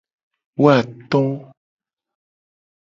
Woato.